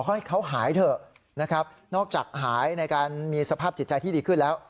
ให้เขาหายเถอะนะครับนอกจากหายในการมีสภาพจิตใจที่ดีขึ้นแล้ว